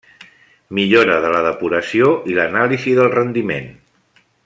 Millora de la depuració i l’anàlisi del rendiment.